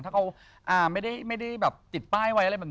ถ้าเขาไม่ได้ติดป้ายไว้